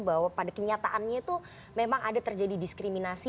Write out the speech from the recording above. bahwa pada kenyataannya itu memang ada terjadi diskriminasi